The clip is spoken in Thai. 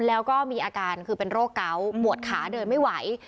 แล้วก็มีอาการคือเป็นโรคเกาะหมวดขาเดินไม่ไหว